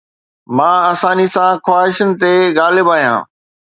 مان آساني سان خواهشن تي غالب آهيان